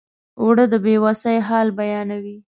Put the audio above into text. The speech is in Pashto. اوړه د بې وسۍ حال بیانوي